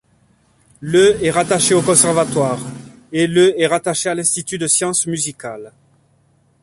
Le est rattaché au conservatoire, et le est rattaché à l'institut de science musicale.